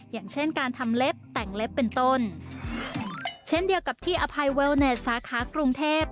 อย่างเช่นการทำเล็บแต่งเล็บเป็นต้นเช่นเดียวกับที่อภัยเวลเนสสาขากรุงเทพ